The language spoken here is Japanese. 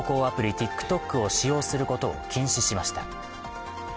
ＴｉｋＴｏｋを使用することを禁止しました。